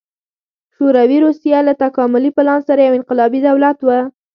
شوروي روسیه له تکاملي پلان سره یو انقلابي دولت و